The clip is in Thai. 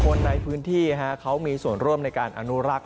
คนในพื้นที่เขามีส่วนร่วมในการอนุรักษ์